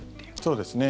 そうですね。